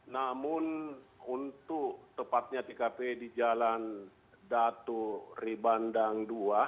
namun untuk tepatnya tkp di jalan datu ribandang dua